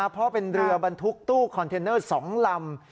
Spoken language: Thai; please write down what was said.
เพราะเป็นเรือบรรทุกตู้คอนเทนเนอร์๒ลำ